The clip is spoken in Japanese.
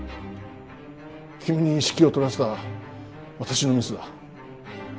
君に指揮を執らせた私のミスだ。